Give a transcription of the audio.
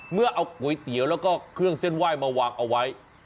เมื่อเอาก๋วยเตี๋ยวแล้วก็เครื่องเส้นไหว้มาวางเอาไว้